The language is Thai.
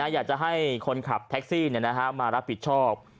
อยากจะให้คนขับแท็กซี่มารับผิดชอบ